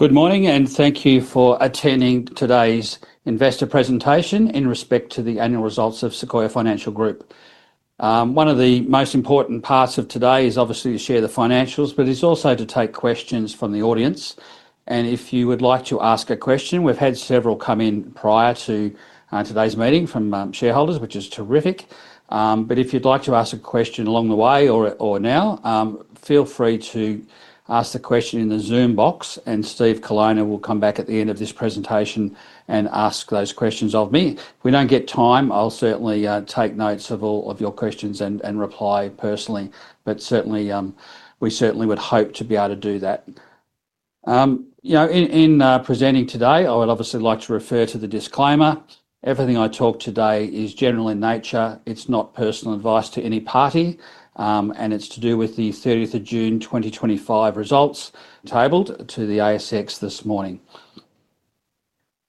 Good morning and thank you for attending today's investor presentation in respect to the annual results of Sequoia Financial Group. One of the most important parts of today is obviously to share the financials, but it's also to take questions from the audience. If you would like to ask a question, we've had several come in prior to today's meeting from shareholders, which is terrific. If you'd like to ask a question along the way or now, feel free to ask the question in the Zoom box, and Steve Kallona will come back at the end of this presentation and ask those questions of me. If we don't get time, I'll certainly take notes of all of your questions and reply personally. We certainly would hope to be able to do that. In presenting today, I would obviously like to refer to the disclaimer. Everything I talk today is general in nature. It's not personal advice to any party, and it's to do with the 30th of June 2025 results tabled to the ASX this morning.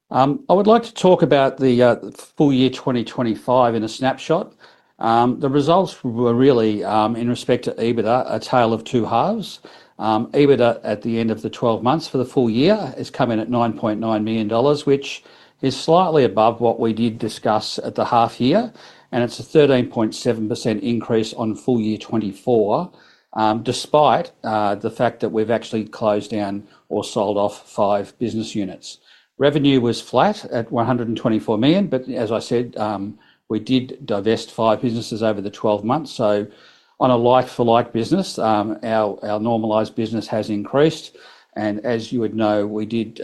I would like to talk about the full year 2025 in a snapshot. The results were really, in respect to EBITDA, a tale of two halves. EBITDA at the end of the 12 months for the full year has come in at $9.9 million, which is slightly above what we did discuss at the half year, and it's a 13.7% increase on full year 2024, despite the fact that we've actually closed down or sold off five business units. Revenue was flat at $124 million, but as I said, we did divest five businesses over the 12 months. On a like-for-like business, our normalized business has increased. As you would know, we did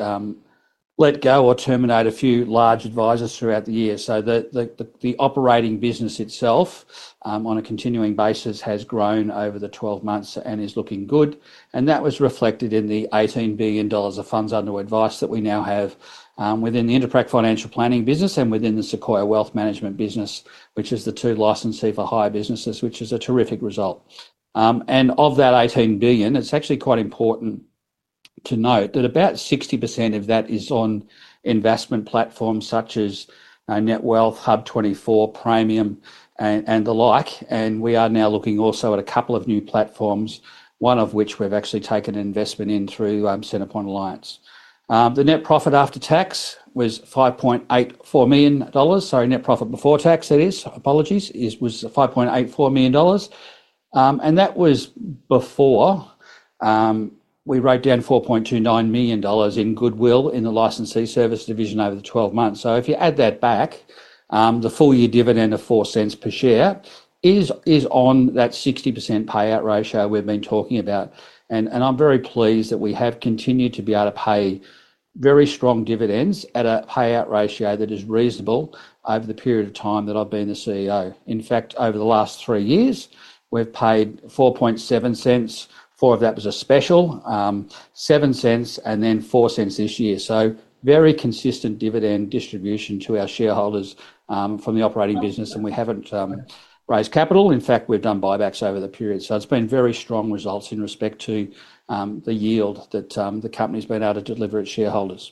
let go or terminate a few large advisors throughout the year. The operating business itself, on a continuing basis, has grown over the 12 months and is looking good. That was reflected in the $18 billion of funds under advice that we now have within the Enterprise Financial Planning business and within the Sequoia Wealth Management business, which is the two licensee for hire businesses, which is a terrific result. Of that $18 billion, it's actually quite important to note that about 60% of that is on investment platforms such as Netwealth, HUB24, Praemium, and the like. We are now looking also at a couple of new platforms, one of which we've actually taken an investment in through Centrepoint Alliance. The net profit after tax was $5.84 million. Sorry, net profit before tax, that is, apologies, was $5.84 million. That was before we wrote down $4.29 million in goodwill in the licensee service division over the 12 months. If you add that back, the full year dividend of $0.04 per share is on that 60% payout ratio we've been talking about. I'm very pleased that we have continued to be able to pay very strong dividends at a payout ratio that is reasonable over the period of time that I've been the CEO. In fact, over the last three years, we've paid $0.04, four of that was a special, $0.07, and then $0.04 this year. Very consistent dividend distribution to our shareholders from the operating business. We haven't raised capital. In fact, we've done buybacks over the period. It's been very strong results in respect to the yield that the company's been able to deliver to shareholders.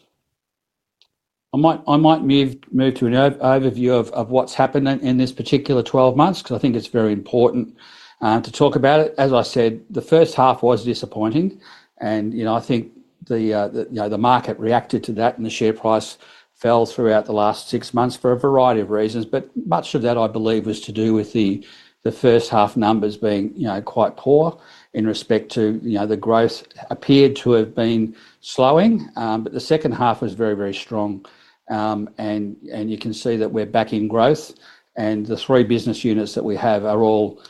I might move to an overview of what's happened in this particular 12 months because I think it's very important to talk about it. As I said, the first half was disappointing. I think the market reacted to that and the share price fell throughout the last six months for a variety of reasons. Much of that, I believe, was to do with the first half numbers being quite poor in respect to the growth appeared to have been slowing. The second half was very, very strong. You can see that we're back in growth. The three business units that we have are all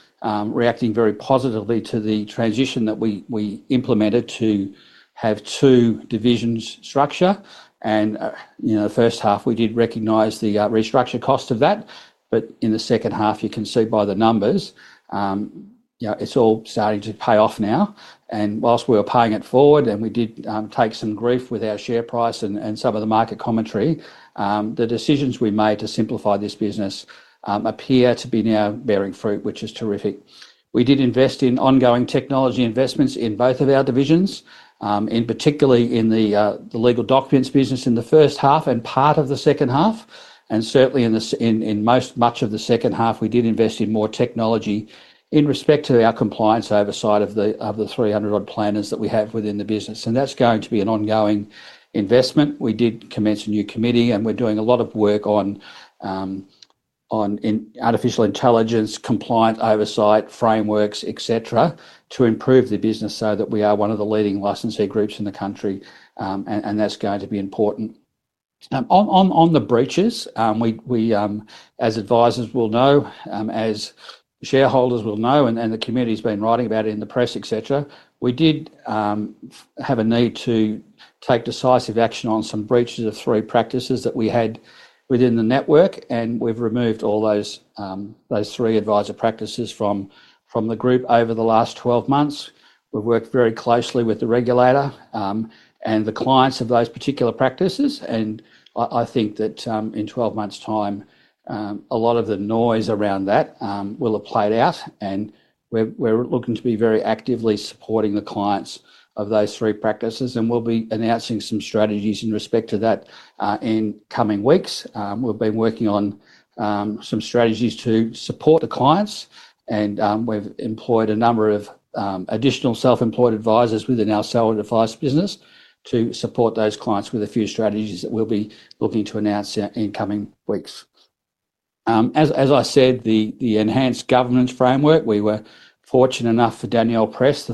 reacting very positively to the transition that we implemented to have two divisions structure. The first half we did recognize the restructure cost of that. In the second half, you can see by the numbers, it's all starting to pay off now. Whilst we were paying it forward and we did take some grief with our share price and some of the market commentary, the decisions we made to simplify this business appear to be now bearing fruit, which is terrific. We did invest in ongoing technology investments in both of our divisions, particularly in the legal documents business in the first half and part of the second half. Certainly in much of the second half, we did invest in more technology in respect to our compliance oversight of the 300-odd planners that we have within the business. That's going to be an ongoing investment. We did commence a new committee and we're doing a lot of work on artificial intelligence, compliance oversight, frameworks, etc., to improve the business so that we are one of the leading licensee groups in the country. That is going to be important. On the breaches, as advisors will know, as shareholders will know, and the community's been writing about it in the press, etc., we did have a need to take decisive action on some breaches of three practices that we had within the network. We have removed all those three advisor practices from the group over the last 12 months. We have worked very closely with the regulator and the clients of those particular practices. I think that in 12 months' time, a lot of the noise around that will have played out. We are looking to be very actively supporting the clients of those three practices. We will be announcing some strategies in respect to that in coming weeks. We have been working on some strategies to support the clients. We have employed a number of additional self-employed advisors within our salaried advice business to support those clients with a few strategies that we will be looking to announce in coming weeks. As I said, the enhanced governance framework, we were fortunate enough for Danielle Press, the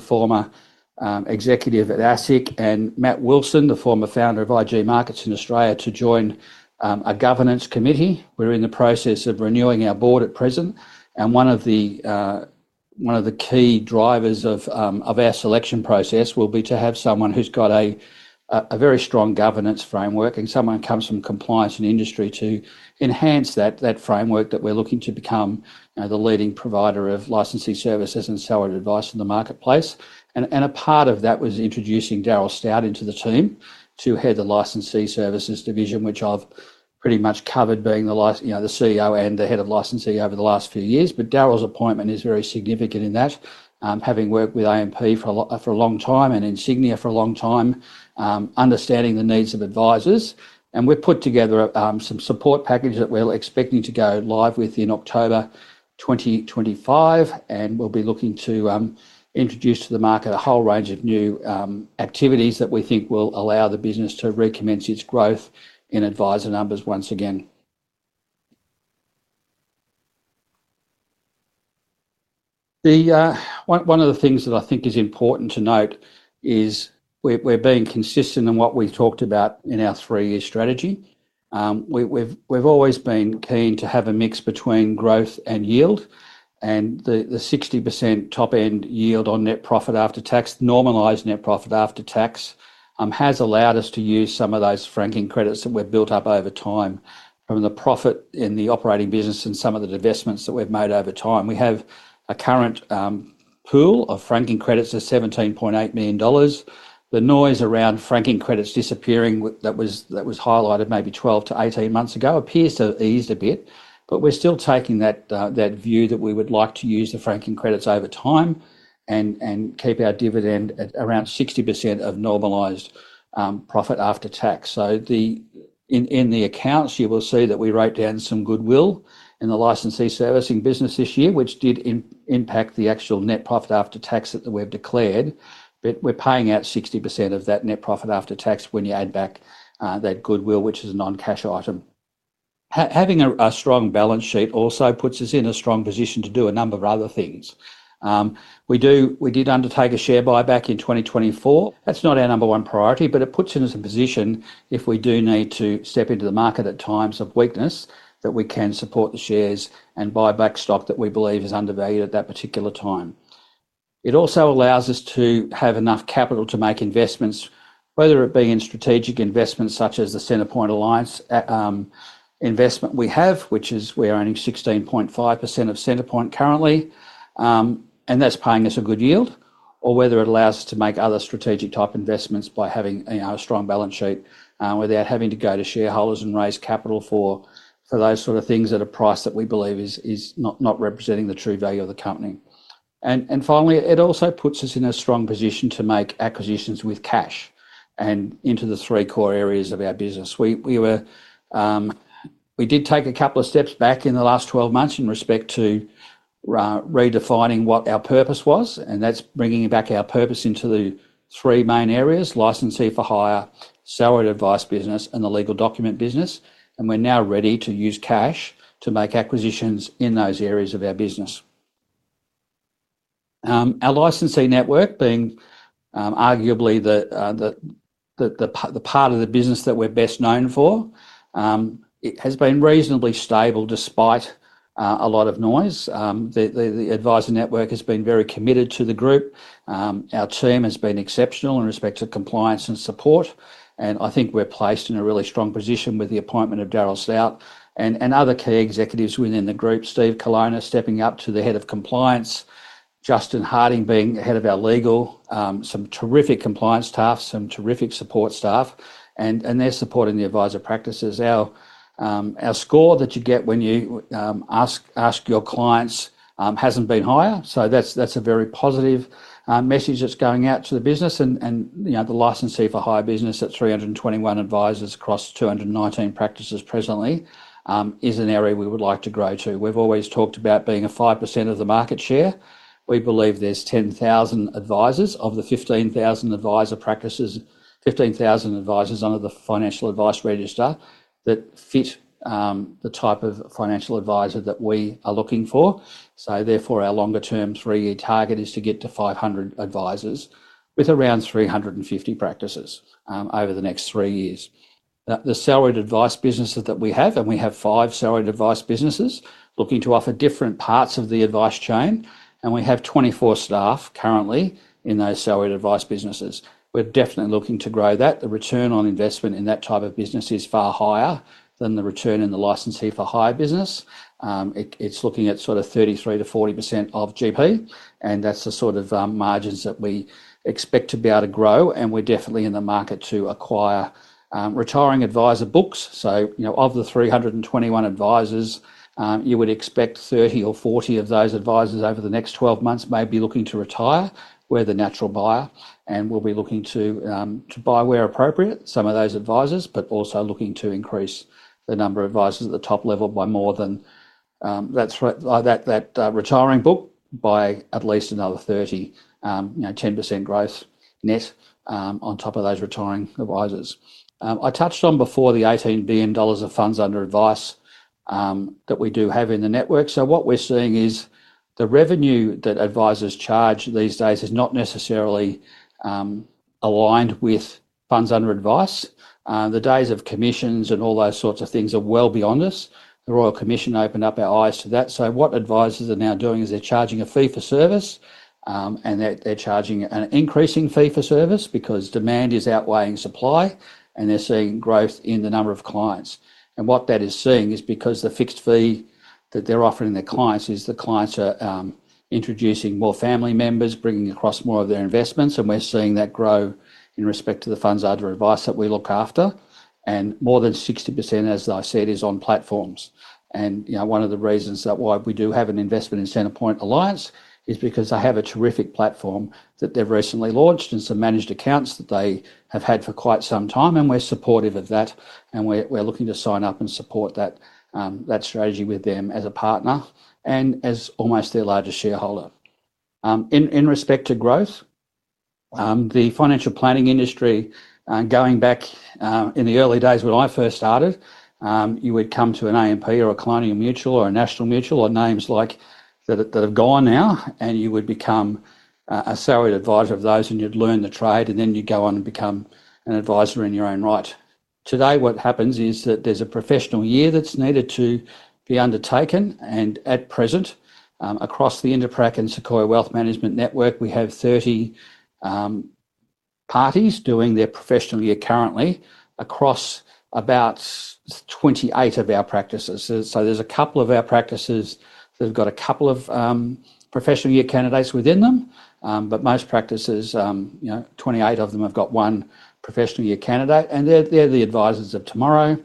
former executive at ASIC, and Matt Wilson, the former founder of IG Markets Australia, to join a governance committee. We are in the process of renewing our board at present. One of the key drivers of our selection process will be to have someone who has a very strong governance framework and someone who comes from compliance and industry to enhance that framework. We are looking to become the leading provider of licensee services and salaried advice in the marketplace. A part of that was introducing Daryl Stout into the team to head the licensee services division, which I have pretty much covered being the CEO and the Head of Licensee over the last few years. Daryl's appointment is very significant in that, having worked with AMP for a long time and Insignia for a long time, understanding the needs of advisors. We have put together some support packages that we are expecting to go live with in October 2025. We will be looking to introduce to the market a whole range of new activities that we think will allow the business to recommence its growth in advisor numbers once again. One of the things that I think is important to note is we are being consistent in what we have talked about in our three-year strategy. We have always been keen to have a mix between growth and yield. The 60% top-end yield on net profit after tax, normalized net profit after tax, has allowed us to use some of those franking credits that we've built up over time from the profit in the operating business and some of the divestments that we've made over time. We have a current pool of franking credits of $17.8 million. The noise around franking credits disappearing that was highlighted maybe 12 to 18 months ago appears to have eased a bit. We're still taking that view that we would like to use the franking credits over time and keep our dividend at around 60% of normalized profit after tax. In the accounts, you will see that we wrote down some goodwill in the licensee servicing business this year, which did impact the actual net profit after tax that we've declared. We're paying out 60% of that net profit after tax when you add back that goodwill, which is a non-cash item. Having a strong balance sheet also puts us in a strong position to do a number of other things. We did undertake a share buyback in 2024. That's not our number one priority, but it puts us in a position if we do need to step into the market at times of weakness that we can support the shares and buy back stock that we believe is undervalued at that particular time. It also allows us to have enough capital to make investments, whether it be in strategic investments such as the Centrepoint Alliance investment we have, which is we're owning 16.5% of Centrepoint currently. That's paying us a good yield, or it allows us to make other strategic type investments by having a strong balance sheet without having to go to shareholders and raise capital for those sort of things at a price that we believe is not representing the true value of the company. It also puts us in a strong position to make acquisitions with cash and into the three core areas of our business. We did take a couple of steps back in the last 12 months in respect to redefining what our purpose was, and that's bringing back our purpose into the three main areas: licensee for hire, salaried advice business, and the legal document business. We're now ready to use cash to make acquisitions in those areas of our business. Our licensee network, being arguably the part of the business that we're best known for, has been reasonably stable despite a lot of noise. The advisor network has been very committed to the group. Our team has been exceptional in respect to compliance and support. I think we're placed in a really strong position with the appointment of Daryl Stout and other key executives within the group, Steve Kallona stepping up to the Head of Compliance, Justin Harding being Head of our Legal, some terrific compliance staff, some terrific support staff, and they're supporting the advisor practices. Our score that you get when you ask your clients hasn't been higher. That's a very positive message that's going out to the business. The licensee for hire business at 321 advisors across 219 practices presently is an area we would like to grow to. We've always talked about being at 5% of the market share. We believe there's 10,000 advisors of the 15,000 advisor practices, 15,000 advisors under the Financial Advice Register that fit the type of financial advisor that we are looking for. Therefore, our longer-term three-year target is to get to 500 advisors with around 350 practices over the next three years. The salaried advice businesses that we have, and we have five salaried advice businesses looking to offer different parts of the advice chain, and we have 24 staff currently in those salaried advice businesses. We're definitely looking to grow that. The return on investment in that type of business is far higher than the return in the licensee for hire business. It's looking at sort of 33%-40% of GP, and that's the sort of margins that we expect to be able to grow. We're definitely in the market to acquire retiring advisor books. Of the 321 advisors, you would expect 30 or 40 of those advisors over the next 12 months may be looking to retire, we're the natural buyer, and we'll be looking to buy where appropriate, some of those advisors, but also looking to increase the number of advisors at the top level by more than that retiring book by at least another 30, 10% growth net on top of those retiring advisors. I touched on before the $18 billion of funds under advice that we do have in the network. What we're seeing is the revenue that advisors charge these days is not necessarily aligned with funds under advice. The days of commissions and all those sorts of things are well beyond us. The Royal Commission opened up our eyes to that. What advisors are now doing is they're charging a fee for service, and they're charging an increasing fee for service because demand is outweighing supply, and they're seeing growth in the number of clients. What that is seeing is because the fixed fee that they're offering their clients is the clients are introducing more family members, bringing across more of their investments, and we're seeing that grow in respect to the funds under advice that we look after. More than 60% is on platforms. One of the reasons that we do have an investment in Centrepoint Alliance is because they have a terrific platform that they've recently launched and some managed accounts that they have had for quite some time. We're supportive of that, and we're looking to sign up and support that strategy with them as a partner and as almost their largest shareholder. In respect to growth, the financial planning industry, going back in the early days when I first started, you would come to an AMP or a Colonial Mutual or a National Mutual or names like that have gone now, and you would become a salaried advisor of those, and you'd learn the trade, and then you'd go on and become an advisor in your own right. Today, what happens is that there's a professional year that's needed to be undertaken, and at present, across the InterPrac Sequoia Wealth Management Network, we have 30 parties doing their professional year currently across about 28 of our practices. There are a couple of our practices that have got a couple of professional year candidates within them, but most practices, 28 of them, have got one professional year candidate, and they're the advisors of tomorrow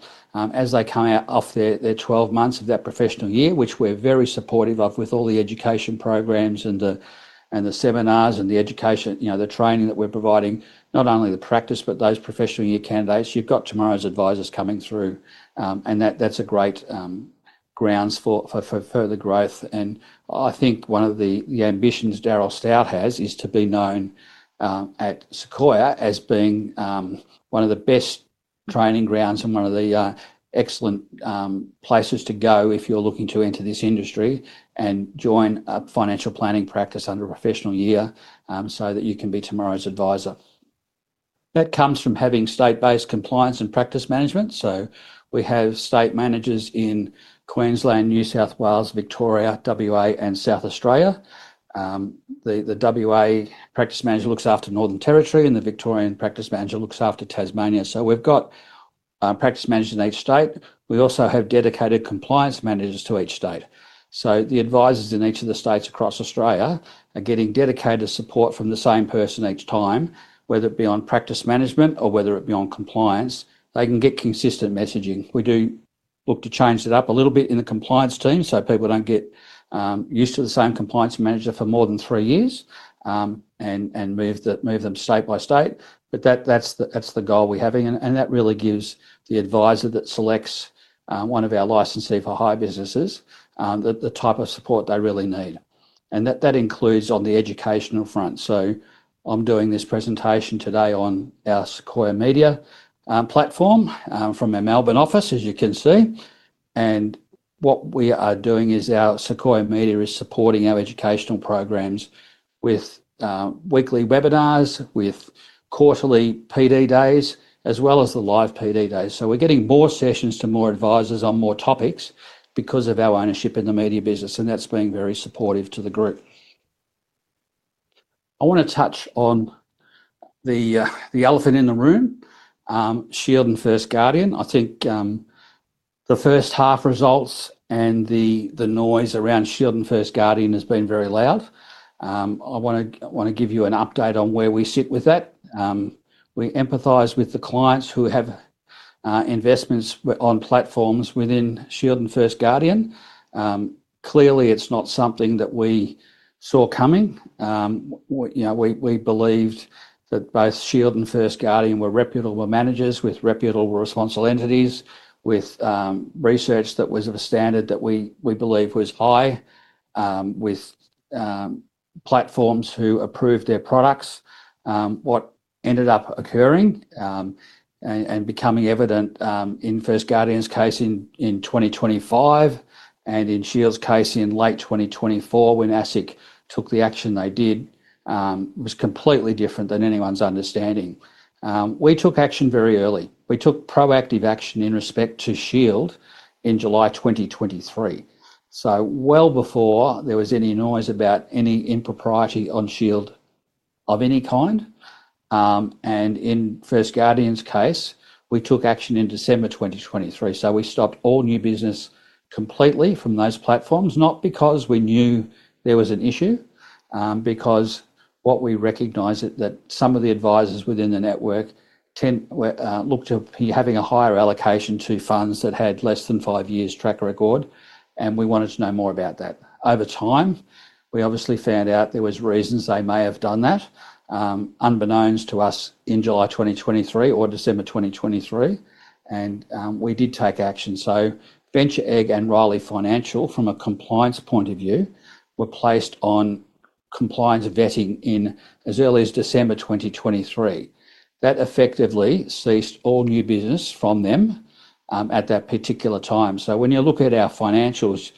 as they come out off their 12 months of that professional year, which we're very supportive of with all the education programs and the seminars and the education, the training that we're providing, not only the practice, but those professional year candidates. You've got tomorrow's advisors coming through, and that's a great grounds for further growth. I think one of the ambitions Daryl Stout has is to be known at Sequoia as being one of the best training grounds and one of the excellent places to go if you're looking to enter this industry and join a financial planning practice under a professional year so that you can be tomorrow's advisor. That comes from having state-based compliance and practice management. We have state managers in Queensland, New South Wales, Victoria, WA, and South Australia. The WA practice manager looks after Northern Territory, and the Victorian practice manager looks after Tasmania. We have practice managers in each state. We also have dedicated compliance managers to each state. The advisors in each of the states across Australia are getting dedicated support from the same person each time, whether it be on practice management or on compliance. They can get consistent messaging. We do look to change it up a little bit in the compliance team so people do not get used to the same compliance manager for more than three years and move them state by state. That is the goal we are having, and that really gives the advisor that selects one of our licensee for hire businesses the type of support they really need. That includes on the educational front. I am doing this presentation today on our Sequoia Media platform from our Melbourne office, as you can see. What we are doing is our Sequoia Media is supporting our educational programs with weekly webinars, with quarterly PD days, as well as the live PD days. We are getting more sessions to more advisors on more topics because of our ownership in the media business, and that is being very supportive to the group. I want to touch on the elephant in the room, Shield and First Guardian. I think the first half results and the noise around Shield and First Guardian has been very loud. I want to give you an update on where we sit with that. We empathize with the clients who have investments on platforms within Shield and First Guardian. Clearly, it is not something that we saw coming. We believed that both Shield and First Guardian were reputable managers with reputable responsible entities, with research that was of a standard that we believe was high, with platforms who approved their products. What ended up occurring and becoming evident in First Guardian's case in 2025 and in Shield's case in late 2024 when ASIC took the action they did was completely different than anyone's understanding. We took action very early. We took proactive action in respect to Shield in July 2023, well before there was any noise about any impropriety on Shield of any kind. In First Guardian's case, we took action in December 2023. We stopped all new business completely from those platforms, not because we knew there was an issue, but because what we recognize is that some of the advisors within the network tend to look to having a higher allocation to funds that had less than five years' track record, and we wanted to know more about that. Over time, we obviously found out there were reasons they may have done that, unbeknownst to us in July 2023 or December 2023, and we did take action. [Bench Egg] and Riley Financial, from a compliance point of view, were placed on compliance vetting as early as December 2023. That effectively ceased all new business from them at that particular time. When you look at our financials,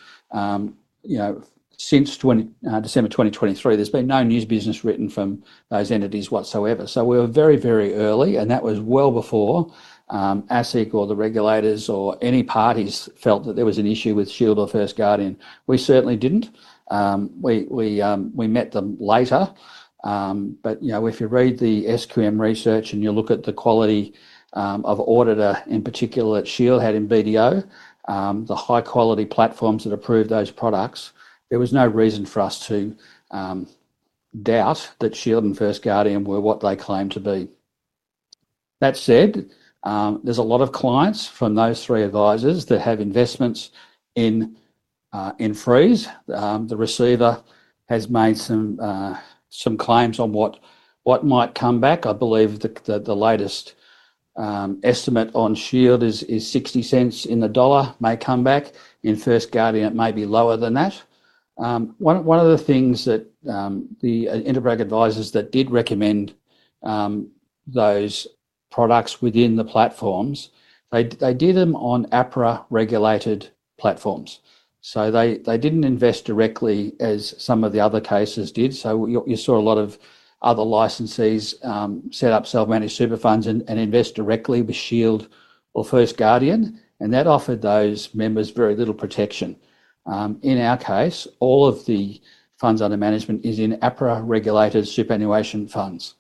since December 2023, there's been no new business written from those entities whatsoever. We were very, very early, and that was well before ASIC or the regulators or any parties felt that there was an issue with Shield or First Guardian. We certainly didn't. We met them later. If you read the SQM research and you look at the quality of auditor in particular that Shield had in BDO, the high-quality platforms that approved those products, there was no reason for us to doubt that Shield and First Guardian were what they claimed to be. That said, there's a lot of clients from those three advisors that have investments in Freeze. The receiver has made some claims on what might come back. I believe that the latest estimate on Shield is $0.60 in the dollar may come back. In First Guardian, it may be lower than that. One of the things that the InterPrac advisors did recommend those products within the platforms, they did them on APRA-regulated platforms. They didn't invest directly as some of the other cases did. You saw a lot of other licensees set up self-managed super funds and invest directly with Shield or First Guardian, and that offered those members very little protection. In our case, all of the funds under management is in APRA-regulated superannuation funds.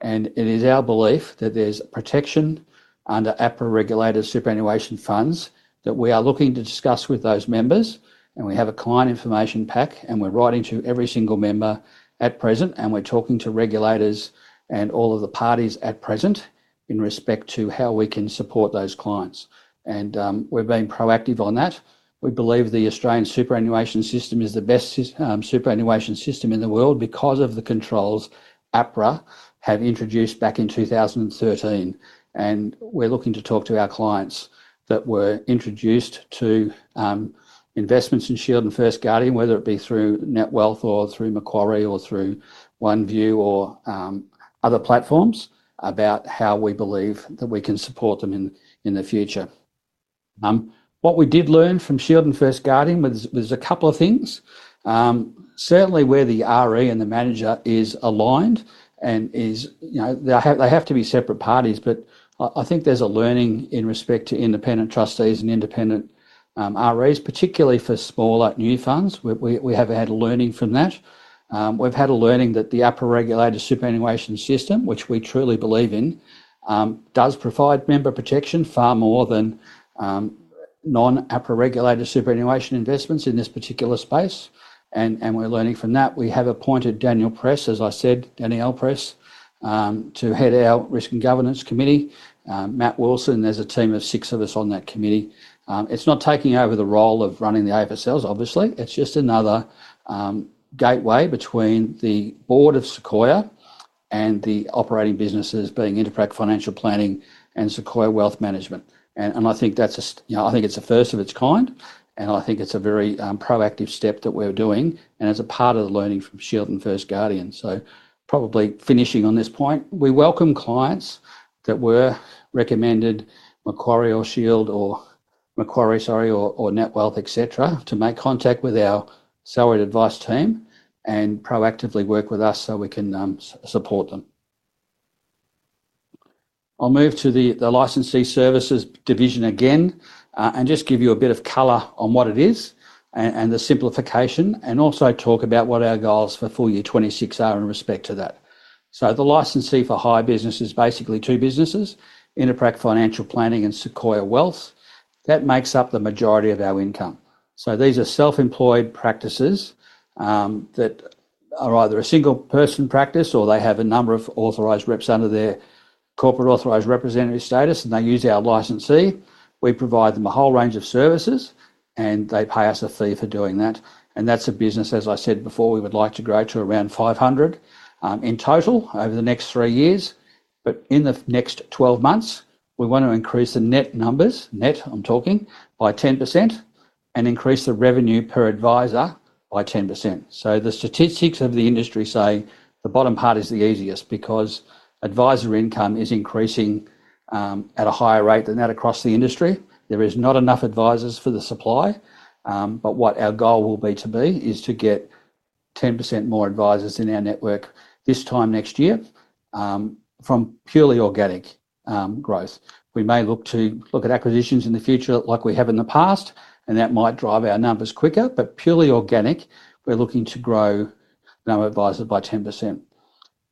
It is our belief that there's protection under APRA-regulated superannuation funds that we are looking to discuss with those members. We have a client information pack, and we're writing to every single member at present, and we're talking to regulators and all of the parties at present in respect to how we can support those clients. We're being proactive on that. We believe the Australian superannuation system is the best superannuation system in the world because of the controls APRA had introduced back in 2013. We are looking to talk to our clients that were introduced to investments in Shield and First Guardian, whether it be through Netwealth or through Macquarie or through One PEO or other platforms, about how we believe that we can support them in the future. What we did learn from Shield and First Guardian was a couple of things. Certainly, where the RE and the manager are aligned, and they have to be separate parties, but I think there's a learning in respect to independent trustees and independent REs, particularly for smaller new funds. We have had learning from that. We've had a learning that the APRA-regulated superannuation system, which we truly believe in, does provide member protection far more than non-APRA-regulated superannuation investments in this particular space. We are learning from that. We have appointed Danielle Press, as I said, Danielle Press, to head our Risk and Governance Committee. Matt Wilson, there's a team of six of us on that committee. It is not taking over the role of running the AFLs, obviously. It is just another gateway between the board of Sequoia and the operating businesses being InterPrac Financial Planning and Sequoia Wealth Management. I think it's a first of its kind, and I think it's a very proactive step that we're doing, and it's a part of the learning from Shield and First Guardian. Probably finishing on this point, we welcome clients that were recommended, Macquarie or Shield or Macquarie, sorry, or Netwealth, etc., to make contact with our salaried advice team and proactively work with us so we can support them. I'll move to the licensee services division again and just give you a bit of color on what it is and the simplification and also talk about what our goals for full year 2026 are in respect to that. The licensee for hire business is basically two businesses, InterPrac Financial Planning and Sequoia Wealth. That makes up the majority of our income. These are self-employed practices that are either a single-person practice or they have a number of authorized reps under their corporate authorized representative status, and they use our licensee. We provide them a whole range of services, and they pay us a fee for doing that. That is a business, as I said before, we would like to grow to around 500 in total over the next three years. In the next 12 months, we want to increase the net numbers, net I'm talking, by 10% and increase the revenue per advisor by 10%. The statistics of the industry say the bottom part is the easiest because advisor income is increasing at a higher rate than that across the industry. There are not enough advisors for the supply. Our goal will be to get 10% more advisors in our network this time next year from purely organic growth. We may look at acquisitions in the future like we have in the past, and that might drive our numbers quicker. Purely organic, we're looking to grow number of advisors by 10%.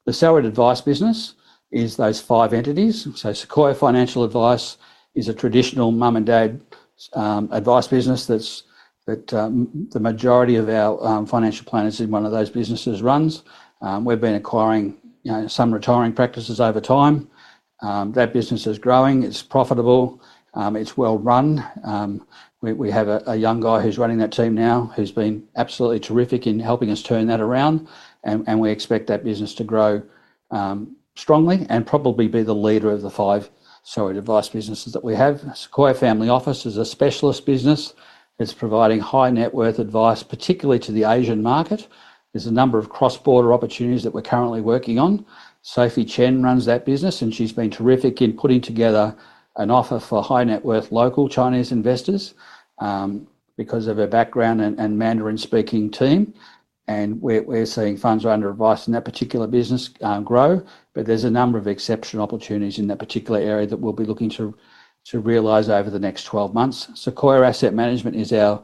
The salaried advice business is those five entities. Sequoia Financial Advice is a traditional mum and dad advice business that the majority of our financial planners in one of those businesses runs. We've been acquiring some retiring practices over time. That business is growing. It's profitable. It's well run. We have a young guy who's running that team now who's been absolutely terrific in helping us turn that around, and we expect that business to grow strongly and probably be the leader of the five salaried advice businesses that we have. Sequoia Family Office is a specialist business. It's providing high net worth advice, particularly to the Asian market. There's a number of cross-border opportunities that we're currently working on. Sophie Chen runs that business, and she's been terrific in putting together an offer for high net worth local Chinese investors because of her background and Mandarin-speaking team. We're seeing funds under advice in that particular business grow. There's a number of exceptional opportunities in that particular area that we'll be looking to realize over the next 12 months. Sequoia Asset Management is our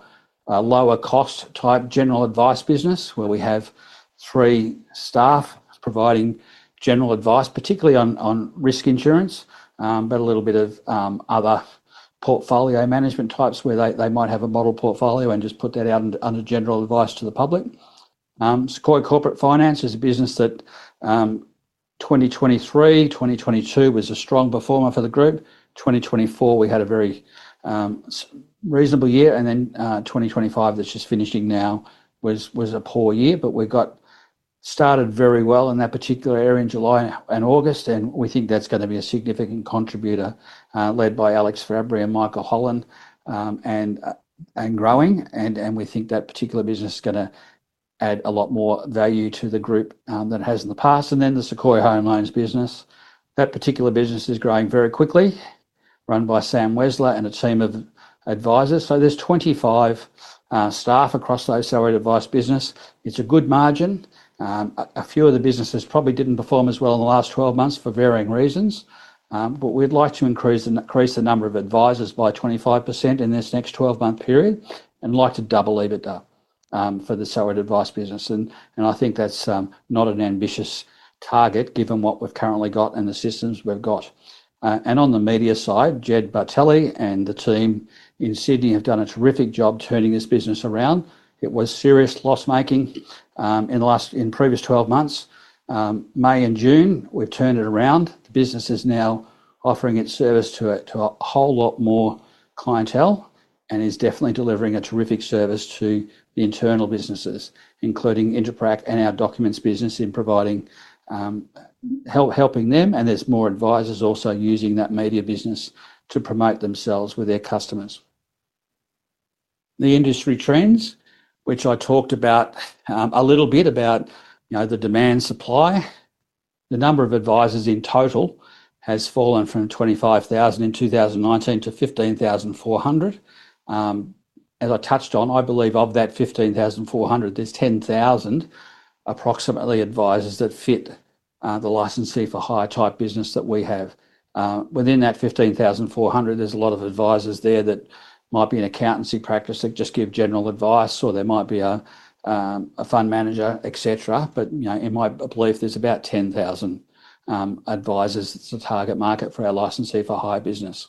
lower-cost type general advice business where we have three staff providing general advice, particularly on risk insurance, but a little bit of other portfolio management types where they might have a model portfolio and just put that out under general advice to the public. Sequoia Corporate Finance is a business that 2023, 2022 was a strong performer for the group. 2024, we had a very reasonable year, and 2025, that's just finishing now, was a poor year. We got started very well in that particular area in July and August, and we think that's going to be a significant contributor led by Alex Fabbri and Michael Holland and growing. We think that particular business is going to add a lot more value to the group than it has in the past. The Sequoia Home Loans business is growing very quickly, run by Sam Wetzler and a team of advisors. There are 25 staff across those salaried advice businesses. It's a good margin. A few of the businesses probably didn't perform as well in the last 12 months for varying reasons, but we'd like to increase the number of advisors by 25% in this next 12-month period and like to double it up for the salaried advice business. I think that's not an ambitious target given what we've currently got and the systems we've got. On the media side, Jed Bertalli and the team in Sydney have done a terrific job turning this business around. It was serious loss-making in the previous 12 months. May and June, we've turned it around. The business is now offering its service to a whole lot more clientele and is definitely delivering a terrific service to the internal businesses, including InterPrac and our documents business in providing, helping them. There are more advisors also using that media business to promote themselves with their customers. The industry trends, which I talked about a little bit, the demand supply, the number of advisors in total has fallen from 25,000 in 2019 to 15,400. As I touched on, I believe of that 15,400, there's 10,000 approximately advisors that fit the licensee for hire type business that we have. Within that 15,400, there are a lot of advisors that might be an accountancy practice that just give general advice or there might be a fund manager, etc. In my belief, there's about 10,000 advisors. It's a target market for our licensee for hire business.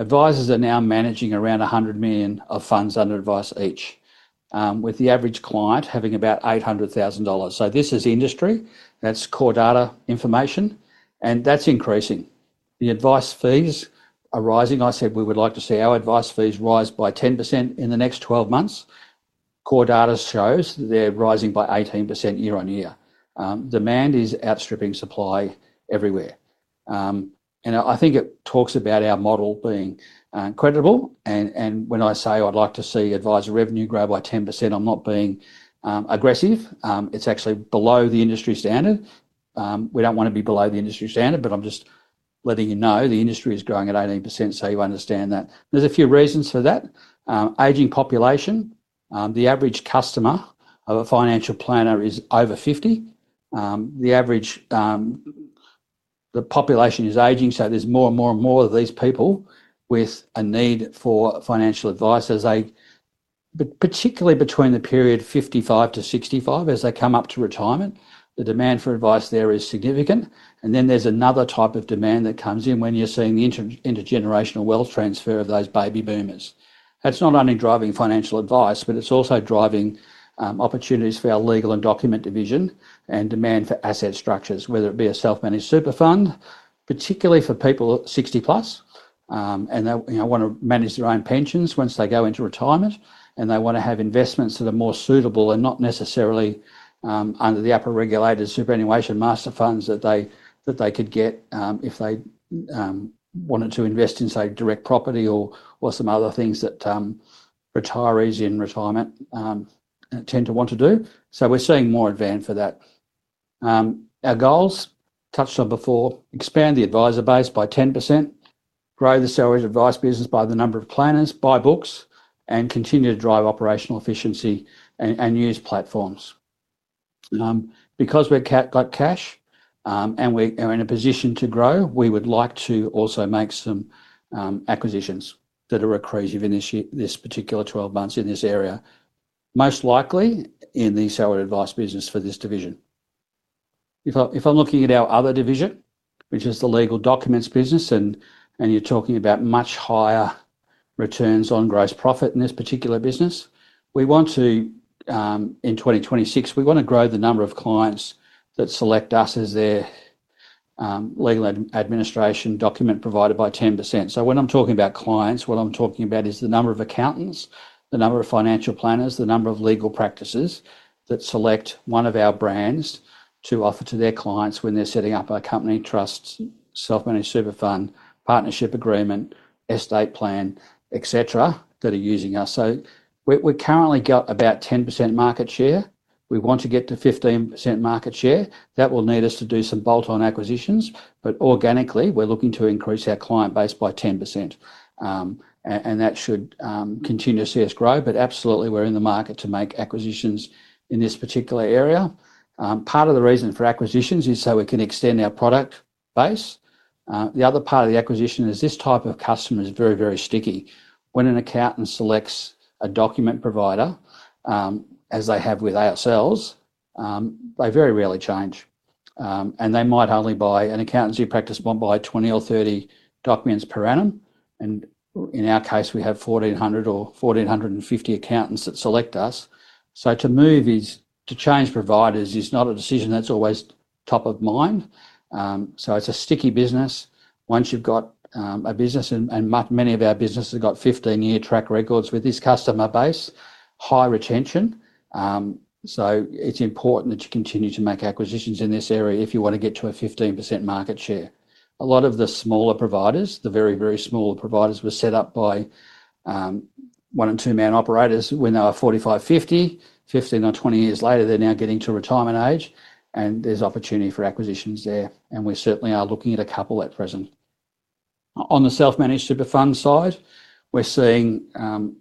Advisors are now managing around $100 million of funds under advice each, with the average client having about $800,000. This is industry. That's CoreData information, and that's increasing. The advice fees are rising. I said we would like to see our advice fees rise by 10% in the next 12 months. CoreData shows that they're rising by 18% year on year. Demand is outstripping supply everywhere. I think it talks about our model being credible. When I say I'd like to see advisor revenue grow by 10%, I'm not being aggressive. It's actually below the industry standard. We don't want to be below the industry standard, but I'm just letting you know the industry is growing at 18%, so you understand that. There's a few reasons for that. Aging population, the average customer of a financial planner is over 50. The average population is aging, so there's more and more and more of these people with a need for financial advice as they, particularly between the period 55 to 65, as they come up to retirement, the demand for advice there is significant. There's another type of demand that comes in when you're seeing the intergenerational wealth transfer of those baby boomers. That's not only driving financial advice, but it's also driving opportunities for our legal and document division and demand for asset structures, whether it be a self-managed super fund, particularly for people 60+, and they want to manage their own pensions once they go into retirement, and they want to have investments that are more suitable and not necessarily under the APRA-regulated superannuation master funds that they could get if they wanted to invest in, say, direct property or some other things that retirees in retirement tend to want to do. We're seeing more demand for that. Our goals, touched on before, expand the advisor base by 10%, grow the salaried advice business by the number of planners, buy books, and continue to drive operational efficiency and use platforms. Because we're cashed up and we are in a position to grow, we would like to also make some acquisitions that are accretive of this particular 12 months in this area, most likely in the salaried advice business for this division. If I'm looking at our other division, which is the legal documents business, and you're talking about much higher returns on gross profit in this particular business, we want to, in 2026, we want to grow the number of clients that select us as their legal administration document provider by 10%. When I'm talking about clients, what I'm talking about is the number of accountants, the number of financial planners, the number of legal practices that select one of our brands to offer to their clients when they're setting up a company, trust, self-managed super fund, partnership agreement, estate plan, etc., that are using us. We've currently got about 10% market share. We want to get to 15% market share. That will need us to do some bolt-on acquisitions, but organically, we're looking to increase our client base by 10%. That should continue to see us grow, but absolutely, we're in the market to make acquisitions in this particular area. Part of the reason for acquisitions is so we can extend our product base. The other part of the acquisition is this type of customer is very, very sticky. When an accountant selects a document provider, as they have with ourselves, they very rarely change. They might only buy, an accountancy practice might buy 20 or 30 documents per annum. In our case, we have 1,400 or 1,450 accountants that select us. To move is to change providers is not a decision that's always top of mind. It's a sticky business. Once you've got a business, and many of our businesses have got 15-year track records with this customer base, high retention. It's important that you continue to make acquisitions in this area if you want to get to a 15% market share. A lot of the smaller providers, the very, very small providers were set up by one and two-man operators. When they're 45, 50, 15 or 20 years later, they're now getting to retirement age, and there's opportunity for acquisitions there. We certainly are looking at a couple at present. On the self-managed super fund side, we're seeing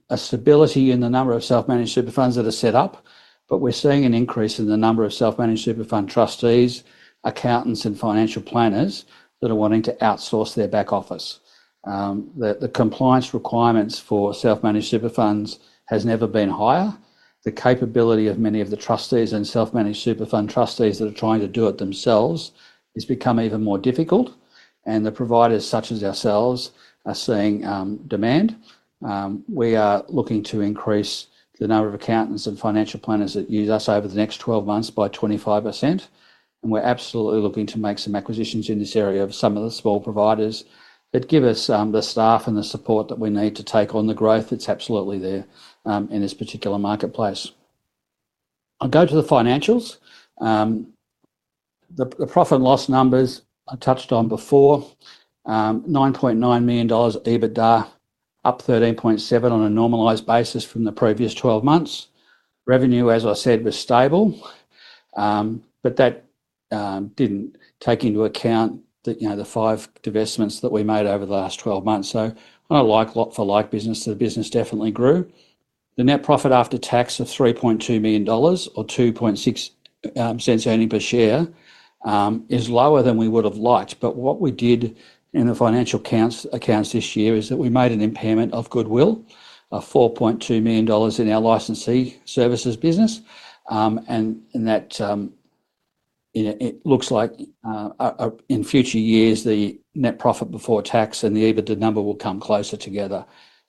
a stability in the number of self-managed super funds that are set up, but we're seeing an increase in the number of self-managed super fund trustees, accountants, and financial planners that are wanting to outsource their back office. The compliance requirements for self-managed super funds have never been higher. The capability of many of the trustees and self-managed super fund trustees that are trying to do it themselves has become even more difficult. The providers such as ourselves are seeing demand. We are looking to increase the number of accountants and financial planners that use us over the next 12 months by 25%. We're absolutely looking to make some acquisitions in this area of some of the small providers that give us the staff and the support that we need to take on the growth that's absolutely there in this particular marketplace. I'll go to the financials. The profit and loss numbers I touched on before, $9.9 million EBITDA up 13.7% on a normalized basis from the previous 12 months. Revenue, as I said, was stable, but that didn't take into account the five divestments that we made over the last 12 months. On a like for like business, the business definitely grew. The net profit after tax of $3.2 million or $0.026 earnings per share is lower than we would have liked. What we did in the financial accounts this year is that we made an impairment of goodwill of $4.2 million in our licensee services business. In that, it looks like in future years, the net profit before tax and the EBITDA number will come closer together.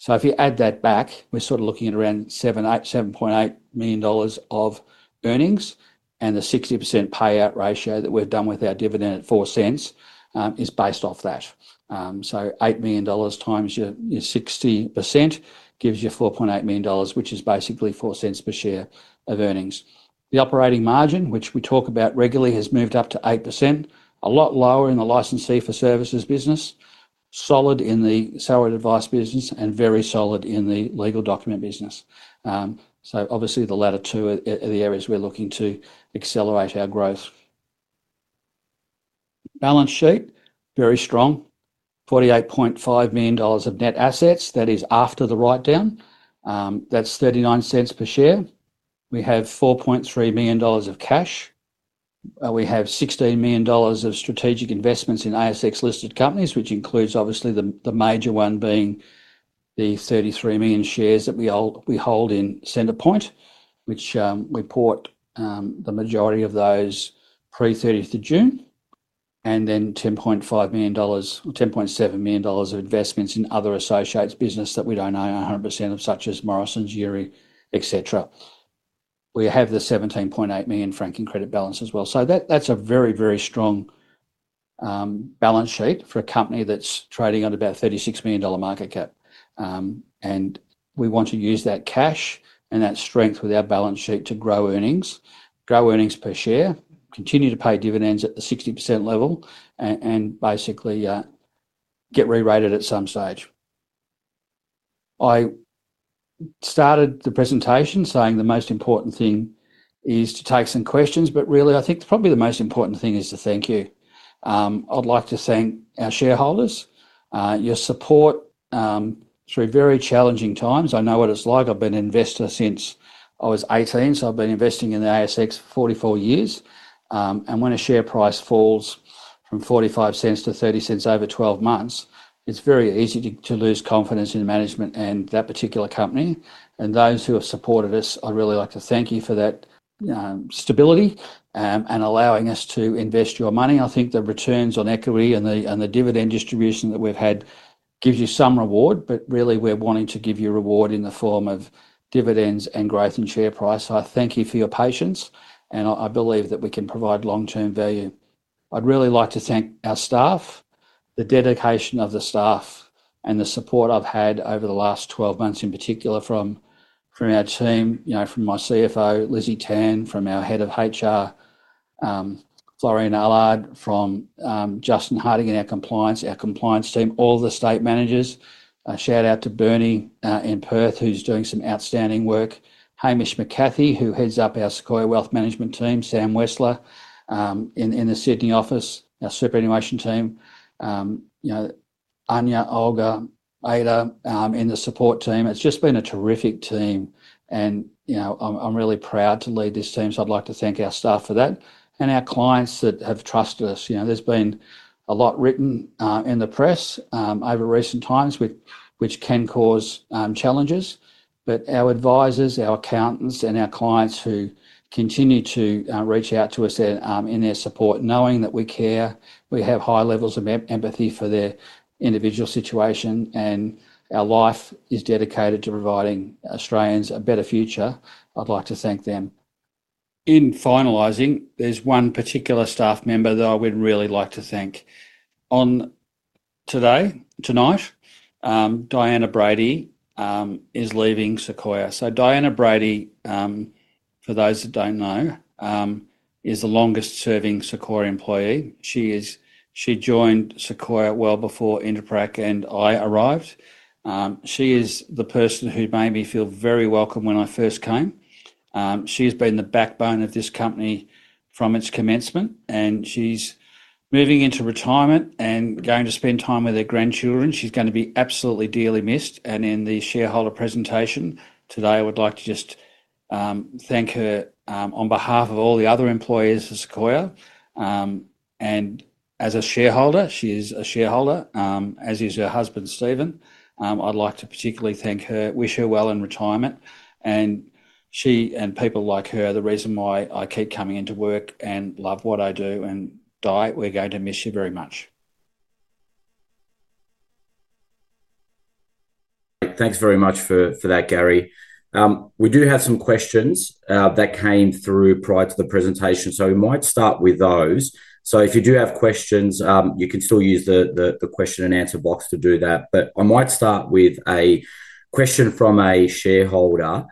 If you add that back, we're sort of looking at around $7.8 million of earnings, and the 60% payout ratio that we've done with our dividend at $0.04 is based off that. $8 million times your 60% gives you $4.8 million, which is basically $0.04 per share of earnings. The operating margin, which we talk about regularly, has moved up to 8%, a lot lower in the licensee for hire services business, solid in the salaried advice business, and very solid in the legal document business. Obviously, the latter two are the areas we're looking to accelerate our growth. Balance sheet, very strong, $48.5 million of net assets. That is after the write-down. That's $0.39 per share. We have $4.3 million of cash. We have $16 million of strategic investments in ASX listed companies, which includes obviously the major one being the 33 million shares that we hold in Centrepoint, which we bought the majority of those pre-30th of June, and then $10.5 million, $10.7 million of investments in other associates' business that we don't own 100% of, such as Morrisons, [EURI], etc. We have the $17.8 million franking credit balance as well. That's a very, very strong balance sheet for a company that's trading on about $36 million market cap. We want to use that cash and that strength with our balance sheet to grow earnings, grow earnings per share, continue to pay dividends at the 60% level, and basically get re-rated at some stage. I started the presentation saying the most important thing is to take some questions, but really, I think probably the most important thing is to thank you. I'd like to thank our shareholders, your support through very challenging times. I know what it's like. I've been an investor since I was 18, so I've been investing in the ASX for 44 years. When a share price falls from $0.45 to $0.30 over 12 months, it's very easy to lose confidence in the management and that particular company. Those who have supported us, I'd really like to thank you for that stability and allowing us to invest your money. I think the returns on equity and the dividend distribution that we've had gives you some reward, but really, we're wanting to give you a reward in the form of dividends and growth in share price. I thank you for your patience, and I believe that we can provide long-term value. I'd really like to thank our staff, the dedication of the staff, and the support I've had over the last 12 months, in particular from our team, from my CFO, Lizzie Tan, from our Head of HR, Floriane Allard, from Justin Harding in our compliance, our compliance team, all of the estate managers. Shout out to Bernie in Perth, who's doing some outstanding work. Hamish McCathie, who heads up our Sequoia Wealth Management team, Sam Wetzler in the Sydney office, our superannuation team, Anja, Olga, Ada in the support team. It's just been a terrific team, and I'm really proud to lead this team. I'd like to thank our staff for that and our clients that have trusted us. There's been a lot written in the press over recent times, which can cause challenges, but our advisors, our accountants, and our clients who continue to reach out to us in their support, knowing that we care, we have high levels of empathy for their individual situation, and our life is dedicated to providing Australians a better future. I'd like to thank them. In finalizing, there's one particular staff member that I would really like to thank. On today, tonight, Diana Brady is leaving Sequoia. Diana Brady, for those that don't know, is the longest-serving Sequoia employee. She joined Sequoia well before InterPrac and I arrived. She is the person who made me feel very welcome when I first came. She's been the backbone of this company from its commencement, and she's moving into retirement and going to spend time with her grandchildren. She's going to be absolutely dearly missed. In the shareholder presentation today, I would like to just thank her on behalf of all the other employees of Sequoia. As a shareholder, she is a shareholder, as is her husband, Stephen. I'd like to particularly thank her, wish her well in retirement, and she and people like her are the reason why I keep coming into work and love what I do and die. We're going to miss you very much. Thanks very much for that, Garry. We do have some questions that came through prior to the presentation, so we might start with those. If you do have questions, you can still use the question and answer box to do that. I might start with a question from a shareholder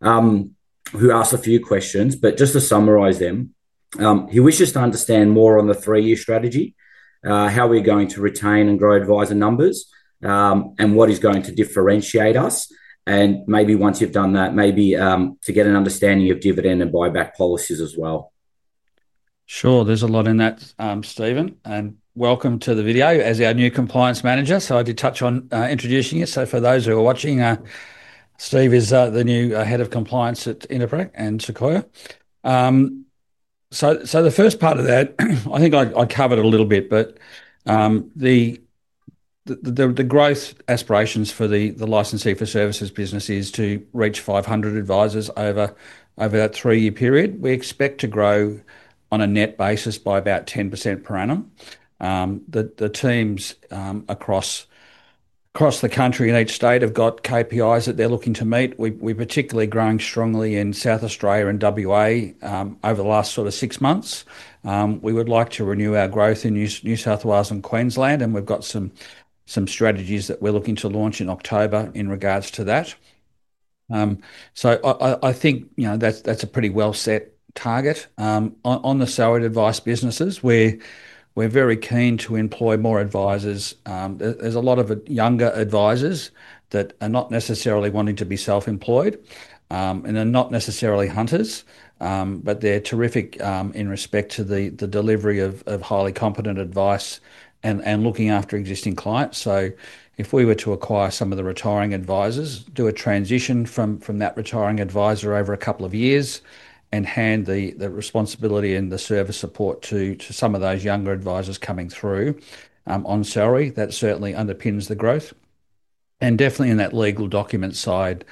who asked a few questions, but just to summarize them, he wishes to understand more on the three-year strategy, how we're going to retain and grow advisor numbers, and what is going to differentiate us. Once you've done that, maybe get an understanding of dividend and buyback policies as well. Sure, there's a lot in that, Steve. Welcome to the video as our new Compliance Manager. I did touch on introducing you. For those who are watching, Steve is the new Head of Compliance at InterPrac and Sequoia. The first part of that, I think I covered a little bit, but the growth aspirations for the licensee for hire services business is to reach 500 advisors over that three-year period. We expect to grow on a net basis by about 10% per annum. The teams across the country in each state have got KPIs that they're looking to meet. We're particularly growing strongly in South Australia and WA over the last sort of six months. We would like to renew our growth in New South Wales and Queensland, and we've got some strategies that we're looking to launch in October in regards to that. I think that's a pretty well-set target. On the salaried advice businesses, we're very keen to employ more advisors. There's a lot of younger advisors that are not necessarily wanting to be self-employed and are not necessarily hunters, but they're terrific in respect to the delivery of highly competent advice and looking after existing clients. If we were to acquire some of the retiring advisors, do a transition from that retiring advisor over a couple of years and hand the responsibility and the service support to some of those younger advisors coming through on salary, that certainly underpins the growth. Definitely in that legal document side,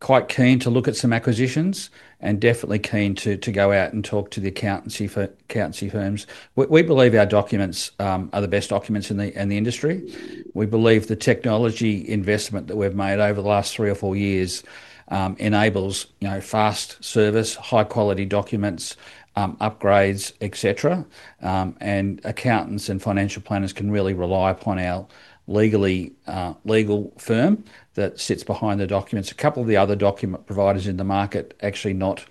quite keen to look at some acquisitions and definitely keen to go out and talk to the accountancy firms. We believe our documents are the best documents in the industry. We believe the technology investment that we've made over the last three or four years enables fast service, high-quality documents, upgrades, etc. Accountants and financial planners can really rely upon our legal firm that sits behind the documents. A couple of the other document providers in the market are actually not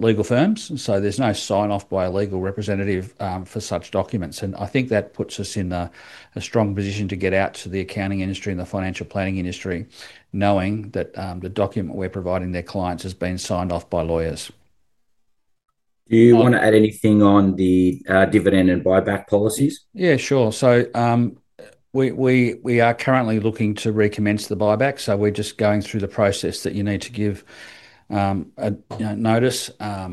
legal firms, so there's no sign-off by a legal representative for such documents. I think that puts us in a strong position to get out to the accounting industry and the financial planning industry, knowing that the document we're providing their clients has been signed off by lawyers. Do you want to add anything on the dividend and buyback policies? Yeah, sure. We are currently looking to recommence the buyback, so we're just going through the process that you need to give a notice. As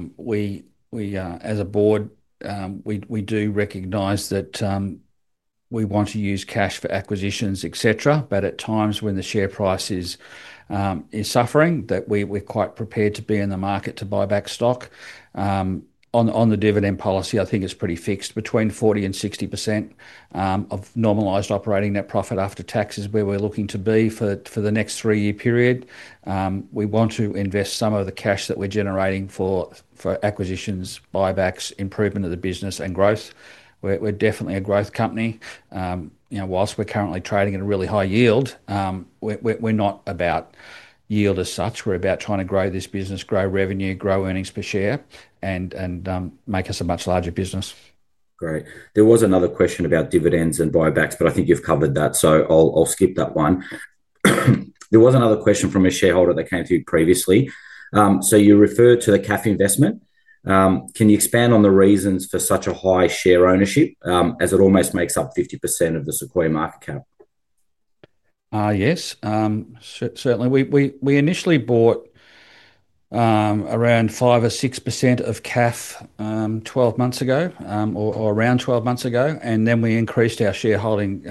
a board, we do recognize that we want to use cash for acquisitions, etc., but at times when the share price is suffering, we're quite prepared to be in the market to buy back stock. On the dividend policy, I think it's pretty fixed between 40% and 60% of normalized operating net profit after taxes where we're looking to be for the next three-year period. We want to invest some of the cash that we're generating for acquisitions, buybacks, improvement of the business, and growth. We're definitely a growth company. Whilst we're currently trading at a really high yield, we're not about yield as such. We're about trying to grow this business, grow revenue, grow earnings per share, and make us a much larger business. Great. There was another question about dividends and buybacks, but I think you've covered that, so I'll skip that one. There was another question from a shareholder that came through previously. You referred to the CAF investment. Can you expand on the reasons for such a high share ownership, as it almost makes up 50% of the Sequoia market cap? Yes, certainly. We initially bought around 5% or 6% of CAF 12 months ago, or around 12 months ago, and then we increased our shareholding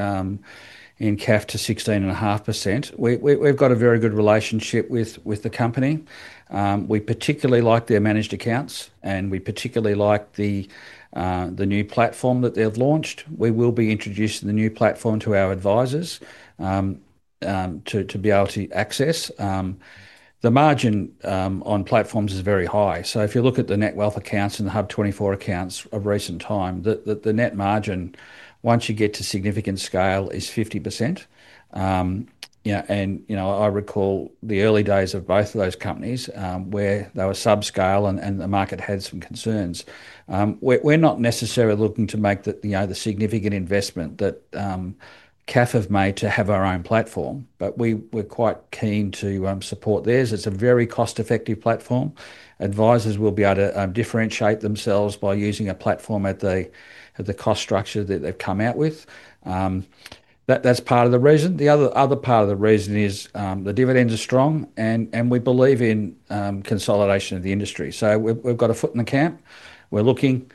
in CAF to 16.5%. We've got a very good relationship with the company. We particularly like their managed accounts, and we particularly like the new platform that they've launched. We will be introducing the new platform to our advisors to be able to access. The margin on platforms is very high. If you look at the Netwealth accounts and the HUB24 accounts of recent time, the net margin, once you get to significant scale, is 50%. I recall the early days of both of those companies where they were sub-scale and the market had some concerns. We're not necessarily looking to make the significant investment that CAF have made to have our own platform, but we're quite keen to support theirs. It's a very cost-effective platform. Advisors will be able to differentiate themselves by using a platform at the cost structure that they've come out with. That's part of the reason. The other part of the reason is the dividends are strong, and we believe in consolidation of the industry. We've got a foot in the camp. We're looking.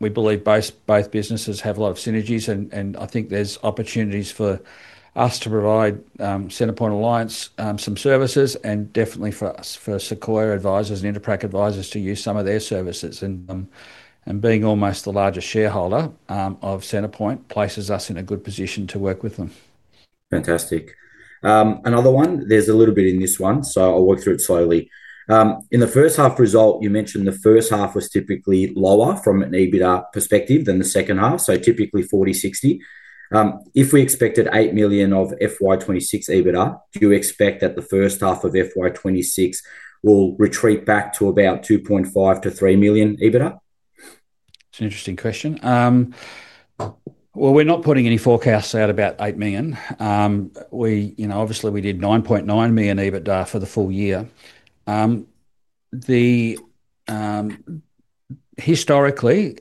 We believe both businesses have a lot of synergies, and I think there's opportunities for us to provide Centrepoint Alliance some services and definitely for Sequoia advisors and InterPrac advisors to use some of their services. Being almost the largest shareholder of Centrepoint places us in a good position to work with them. Fantastic. Another one, there's a little bit in this one, so I'll walk through it slowly. In the first half result, you mentioned the first half was typically lower from an EBITDA perspective than the second half, so typically 40%, 60%. If we expected $8 million of FY 2026 EBITDA, do you expect that the first half of FY 2026 will retreat back to about $2.5 million-$3 million EBITDA? It's an interesting question. We're not putting any forecasts out about $8 million. Obviously, we did $9.9 million EBITDA for the full year. Historically,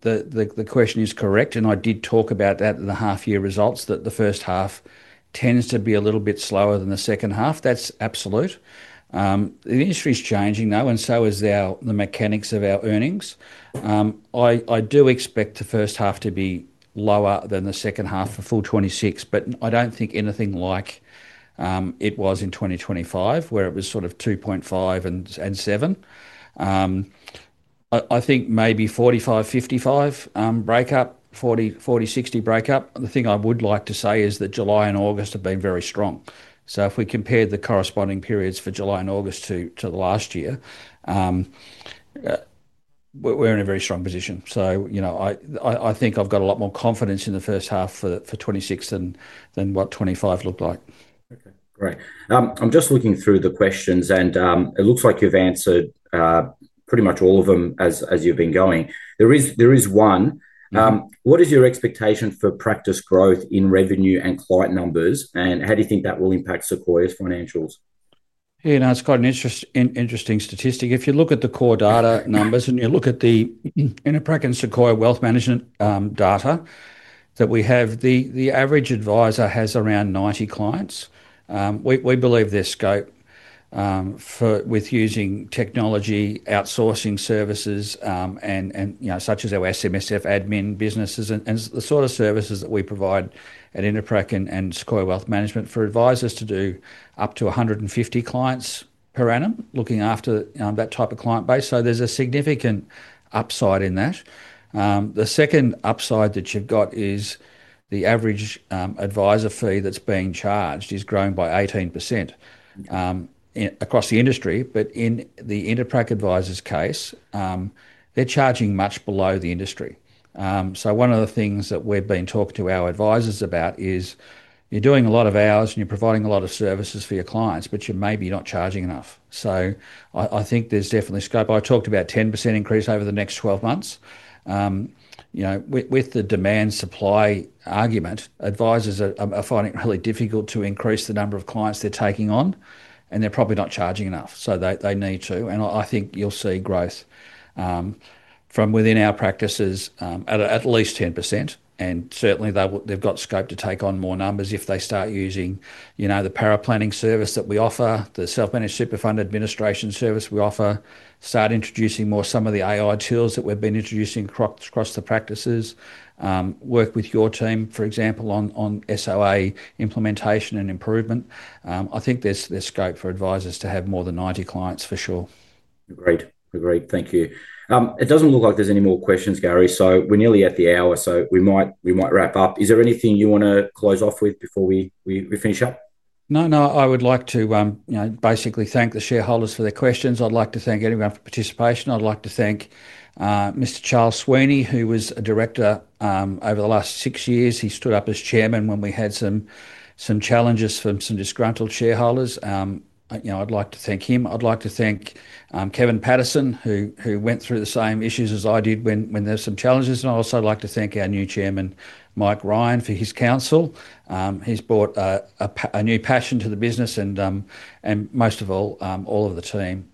the question is correct, and I did talk about that in the half-year results that the first half tends to be a little bit slower than the second half. That's absolute. The industry is changing, though, and so is the mechanics of our earnings. I do expect the first half to be lower than the second half for full 2026, but I don't think anything like it was in 2025, where it was sort of $2.5 million and $7 million. I think maybe 45%, 55% breakup, 40%, 60% breakup. The thing I would like to say is that July and August have been very strong. If we compared the corresponding periods for July and August to last year, we're in a very strong position. I think I've got a lot more confidence in the first half for 2026 than what 2025 looked like. Okay, great. I'm just looking through the questions, and it looks like you've answered pretty much all of them as you've been going. There is one. What is your expectation for practice growth in revenue and client numbers, and how do you think that will impact Sequoia's financials? Yeah, no, it's quite an interesting statistic. If you look at the core data numbers and you look at the InterPrac and Sequoia Wealth Management data that we have, the average advisor has around 90 clients. We believe there's scope with using technology, outsourcing services, and such as our SMSF admin businesses, and the sort of services that we provide at InterPrac and Sequoia Wealth Management for advisors to do up to 150 clients per annum, looking after that type of client base. There's a significant upside in that. The second upside that you've got is the average advisor fee that's being charged is growing by 18% across the industry, but in the InterPrac advisor's case, they're charging much below the industry. One of the things that we've been talking to our advisors about is you're doing a lot of hours and you're providing a lot of services for your clients, but you're maybe not charging enough. I think there's definitely scope. I talked about a 10% increase over the next 12 months. You know, with the demand supply argument, advisors are finding it really difficult to increase the number of clients they're taking on, and they're probably not charging enough. They need to, and I think you'll see growth from within our practices at at least 10%, and certainly they've got scope to take on more numbers if they start using, you know, the power planning service that we offer, the self-managed super fund administration service we offer, start introducing more some of the AI tools that we've been introducing across the practices, work with your team, for example, on SOA implementation and improvement. I think there's scope for advisors to have more than 90 clients for sure. Agreed. Agreed. Thank you. It doesn't look like there's any more questions, Garry. We're nearly at the hour, so we might wrap up. Is there anything you want to close off with before we finish up? No, no. I would like to basically thank the shareholders for their questions. I'd like to thank everyone for participation. I'd like to thank Mr. Charles Sweeney, who was a Director over the last six years. He stood up as Chairman when we had some challenges from some disgruntled shareholders. I'd like to thank him. I'd like to thank Kevin Patterson, who went through the same issues as I did when there were some challenges. I'd also like to thank our new Chairman, Mike Ryan, for his counsel. He's brought a new passion to the business and most of all, all of the team.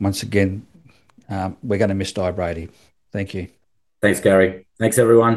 Once again, we're going to miss Dai Brady. Thank you. Thanks, Garry. Thanks, everyone.